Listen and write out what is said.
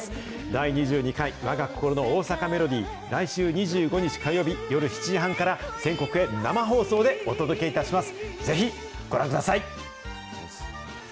第２２回わが心の大阪メロディー、来週２５日火曜日夜７時半から、全国へ生放送でお届けいたします。